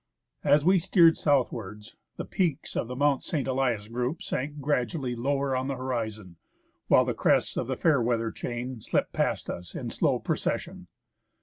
As we steered southwards, the peaks of the Mount St. Elias group sank gradually lower on the horizon, while the crests of the Fairweather chain slipped past us in slow procession.